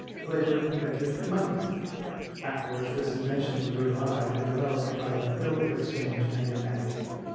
Labor invented MONEY. Afterwards, this invention was revived and developed by the BILL OF EXCHANGE and the BANK.